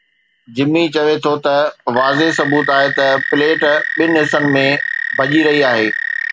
جمي چوي ٿو ته واضح ثبوت آهي ته پليٽ ٻن حصن ۾ ڀڃي رهي آهي.